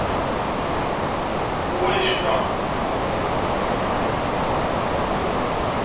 Pua yecna.